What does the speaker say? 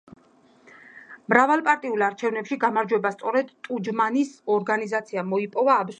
მრავალპარტიულ არჩევნებში გამარჯვება სწორედ ტუჯმანის ორგანიზაციამ მოიპოვა აბსოლუტური უმრავლესობით.